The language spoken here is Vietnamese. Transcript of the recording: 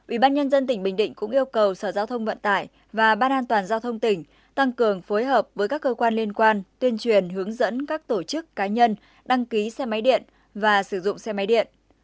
ubnd tỉnh bình định cũng yêu cầu sở giao thông vận tải và ban an toàn giao thông tỉnh tăng cường phối hợp với các cơ quan liên quan tuyên truyền hướng dẫn các tổ chức cá nhân đăng ký xe máy điện và sử dụng xe máy điện